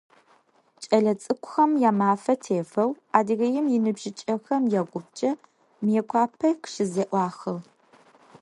Кӏэлэцӏыкӏухэм я Мафэ тефэу Адыгеим иныбжьыкӏэхэм я Гупчэ Мыекъуапэ къыщызэӏуахыгъ.